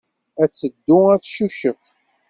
Ad teddu ad teccucef.